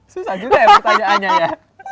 susah juga ya pertanyaannya ya